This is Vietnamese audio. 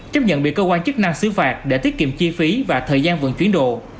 chức năng xứ phạt để tiết kiệm chi phí và thời gian vận chuyển đồ